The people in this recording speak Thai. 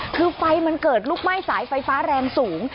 คือไฟมันเกิดลุกไหม้สายไฟฟ้าแรงสูง